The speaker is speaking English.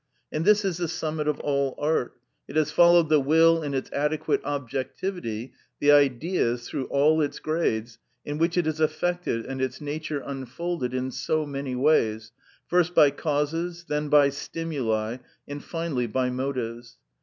And this is the summit of all art. It has followed the will in its adequate objectivity, the Ideas, through all its grades, in which it is affected and its nature unfolded in so many ways, first by causes, then by stimuli, and finally by motives.